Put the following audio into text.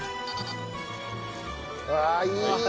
うわあいい！